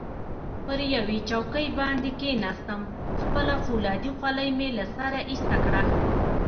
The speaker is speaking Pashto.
پر یوې چوکۍ باندې کښېناستم، خپله فولادي خولۍ مې له سره ایسته کړه.